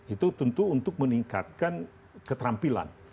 itu tentu untuk meningkatkan keterampilan